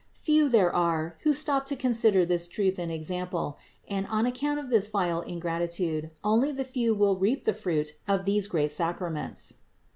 Few there are, who stop to consider this truth and example: and on account of this vile ingratitude only the few will reap the fruit of these great sacraments.